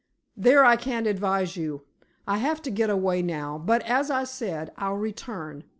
"There I can't advise you. I have to get away now, but, as I said, I'll return.